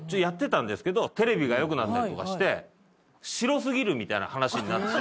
やってたんですけどテレビが良くなったりとかして白すぎるみたいな話に。